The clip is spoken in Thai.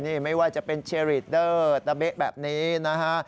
นี่ไม่ว่าจะเป็นเชรีดเดอร์ตะเบ๊ะแบบนี้นะฮะ